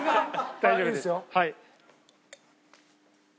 大丈夫ですはい。